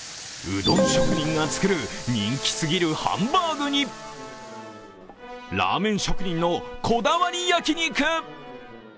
うどん職人が作る人気すぎるハンバーグにラーメン職人のこだわり焼き肉。